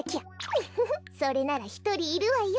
ふふふそれならひとりいるわよ。